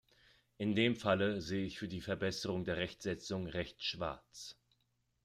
In dem Falle sehe ich für die Verbesserung der Rechtsetzung recht schwarz.